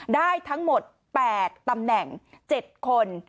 ได้ทั้งหมด๘ตำแหน่ง๗คน